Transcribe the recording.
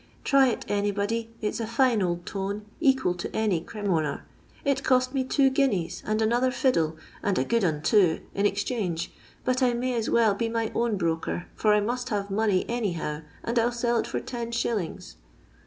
Try it anybody, it 's a fine old tone, equal to any Cremonar. It cost me two guineas and another fiddle, and a good 'un too, in exchange, but I may as well be my own broker, for I must have money any how, and I '11 sell it for 10s."